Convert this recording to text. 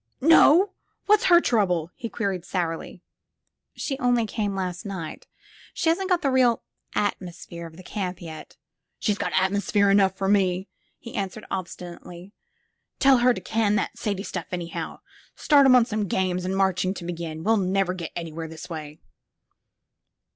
Not What's her trouble?" he queried sourly. She only came last night. She hasn't got the real atmosphere of the camp yet." *' She's got atmosphere enough for me," he answered obstinately. Tell her to can that Sadie stuff, anyhow. Start 'em on some games and marching, to begin. We '11 never get anywhere this way."